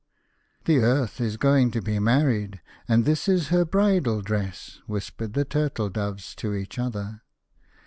" The Earth is going to be married, and this is her bridal dress," whispered the Turtle doves to each other.